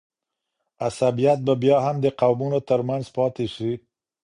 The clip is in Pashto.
عصبیت به بیا هم د قومونو ترمنځ پاته سي.